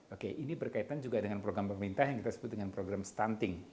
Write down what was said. oke ini berkaitan juga dengan program pemerintah yang kita sebut dengan program stunting